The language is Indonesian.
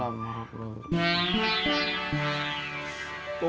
pokoknya gua yakin betul